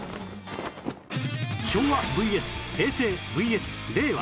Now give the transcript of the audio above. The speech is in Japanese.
昭和 ＶＳ 平成 ＶＳ 令和